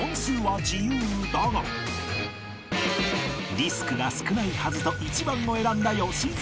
リスクが少ないはずと１番を選んだ良純